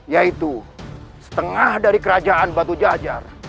yaitu setengah dari kerajaan batu jajar